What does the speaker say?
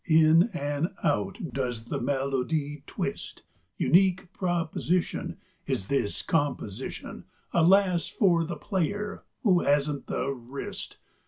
In and out does the melody twist Unique proposition Is this composition. (Alas! for the player who hasn't the wrist!)